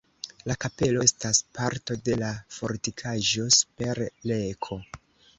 La kapelo estas parto de la fortikaĵo super kelo.